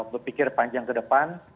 berpikir panjang ke depan